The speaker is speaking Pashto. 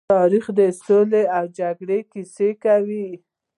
تاریخ د سولې او جګړې کيسه کوي.